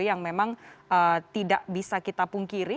yang memang tidak bisa kita pungkiri